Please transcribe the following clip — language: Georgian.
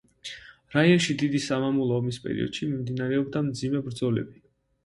რაიონში დიდი სამამულო ომის პერიოდში მიმდინარეობდა მძიმე ბრძოლები.